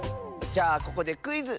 じゃあここでクイズ！